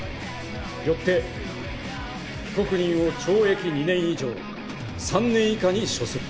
よって被告人を懲役２年以上３年以下に処する。